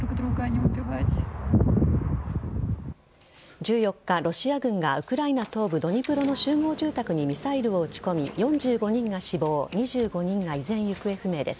１４日、ロシア軍がウクライナ東部ドニプロの集合住宅にミサイルを撃ち込み４５人が死亡２５人が依然、行方不明です。